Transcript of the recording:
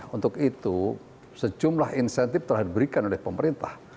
untuk itu sejumlah insentif telah diberikan oleh pemerintah